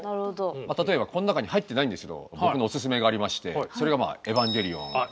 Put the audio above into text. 例えばこの中に入ってないんですけど僕のオススメがありましてそれが「エヴァ」。